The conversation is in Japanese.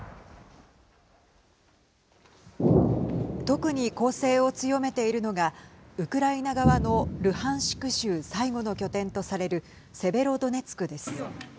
特に攻勢を強めているのがウクライナ側のルハンシク州最後の拠点とされるセベロドネツクです。